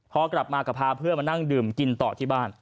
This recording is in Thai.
พอกลับมาก็พาเพื่อนมานั่งดื่มกินต่อที่บ้าน